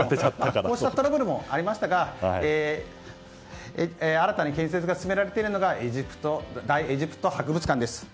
こうしたトラブルもありましたが新たに建設が進められているのが大エジプト博物館です。